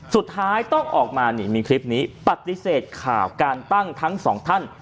สุดท้ายต้องออกมานี่มีคลิปนี้ปฏิเสธข่าวการตั้งทั้งสองท่าน